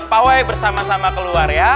pawai bersama sama keluar ya